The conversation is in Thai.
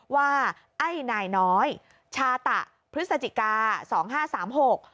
ว่าไอ้นายน้อยชาตะพฤศจิกาสองห้าสามหก